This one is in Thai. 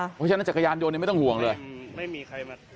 เพราะฉะนั้นจักรยานยนต์ไม่ต้องห่วงเลยไม่มีใครมา